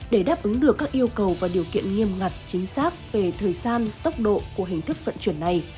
để đáp ứng được các yêu cầu và điều kiện nghiêm ngặt chính xác về thời gian tốc độ của hình thức vận chuyển này